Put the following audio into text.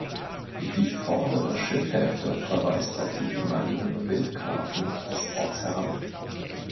Die vordere Schildhälfte verweist auf die ehemaligen Wildgrafen als Ortsherren.